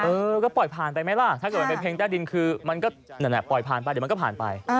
เออก็ปล่อยผ่านไปไหมล่ะถ้าเกิดมันเป็นเพลงใต้ดินคือมันก็นั่นแหละปล่อยผ่านไปเดี๋ยวมันก็ผ่านไป